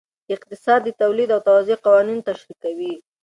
اقتصاد د تولید او توزیع قوانین تشریح کوي.